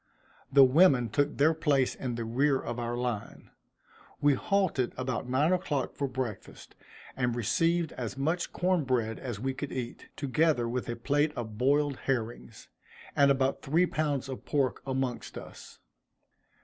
The women took their place in the rear of our line. We halted about nine o'clock for breakfast, and received as much corn bread as we could eat, together with a plate of boiled herrings, and about three pounds of pork amongst us.